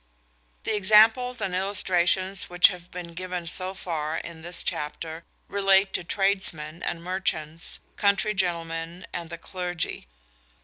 The examples and illustrations which have been given so far in this chapter relate to tradesmen and merchants, country gentlemen and the clergy.